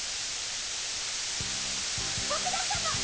徳田様っ！